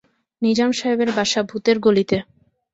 নিজাম সাহেবের বাসা ভূতের গলিতে।